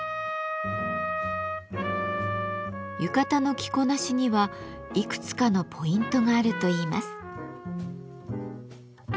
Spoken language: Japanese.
浴衣の着こなしにはいくつかのポイントがあるといいます。